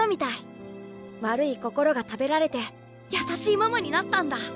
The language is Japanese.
悪い心が食べられて優しいママになったんだ。